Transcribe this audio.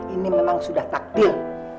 ini memang sudah takdir